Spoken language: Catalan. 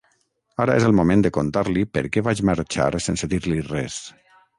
Ara és el moment de contar-li per què vaig marxar sense dir-li res.